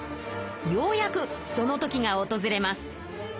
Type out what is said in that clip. ようやくその時がおとずれます。